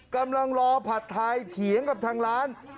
กำลังรอผัดไทยเถียงกับทางร้าน